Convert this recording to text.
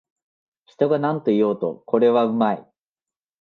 人がなんと言おうと、これはうまい